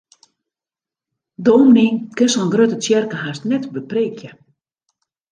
Dominy kin sa'n grutte tsjerke hast net bepreekje.